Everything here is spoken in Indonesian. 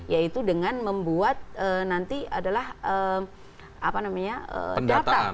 yaitu dengan membuat nanti adalah data